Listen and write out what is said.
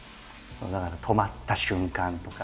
だから止まった瞬間とか。